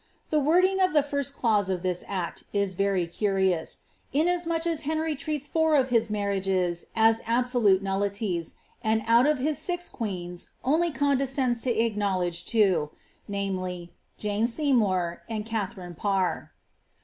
37 e wording of the first clause of this act ' is very curious, inasmuch Henry treats four of his marriages as absolute nullities, and out of six queens only condescends to acknowledge two,— namely, Jane rmour and Katharine Parr.